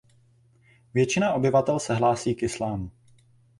Většina obyvatel se hlásí k islámu.